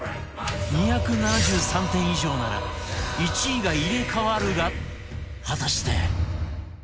２７３点以上なら１位が入れ替わるが果たして